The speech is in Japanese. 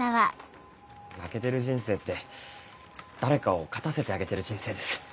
負けてる人生って誰かを勝たせてあげてる人生です。